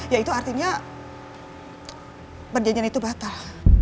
ya itu artinya perjanjian itu batal